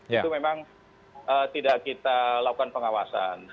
itu memang tidak kita lakukan pengawasan